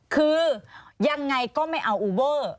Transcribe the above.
คือยังไงก็ไม่เอาอูเบอร์